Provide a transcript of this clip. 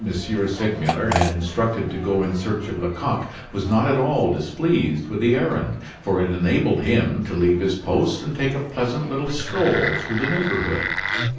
Segmuller had instructed to go in search of Lecoq was not at all displeased with the errand; for it enabled him to leave his post and take a pleasant little stroll through the neighborhood.